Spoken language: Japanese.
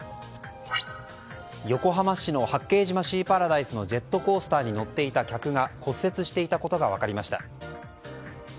横浜市の八景島シーパラダイスのジェットコースターに乗っていた客が骨折していたことが分かりました。